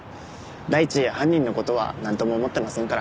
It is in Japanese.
第一犯人の事はなんとも思ってませんから。